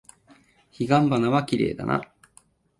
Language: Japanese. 彼岸花はきれいだな。